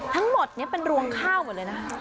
ทั้งหมดนี้เป็นรวงข้าวหมดเลยนะ